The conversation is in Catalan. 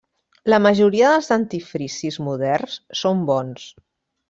La majoria dels dentifricis moderns són bons.